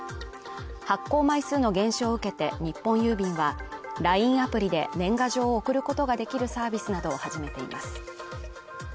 発行枚数の減少を受けて日本郵便はＬＩＮＥアプリで年賀状を送ることができるサービスなどを始めています